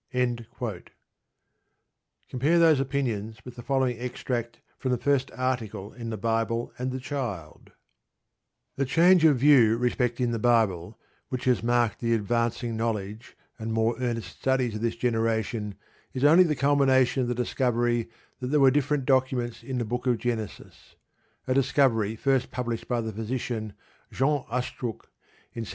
Compare those opinions with the following extract from the first article in The Bible and the Child: The change of view respecting the Bible, which has marked the advancing knowledge and more earnest studies of this generation is only the culmination of the discovery that there were different documents in the Book of Genesis a discovery first published by the physician, Jean Astruc, in 1753.